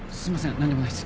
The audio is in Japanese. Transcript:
何でもないっす。